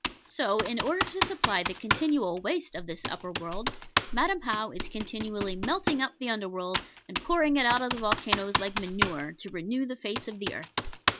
So, in order to supply the continual waste of this upper world, Madam How is continually melting up the under world, and pouring it out of the volcanos like manure, to renew the face of the earth.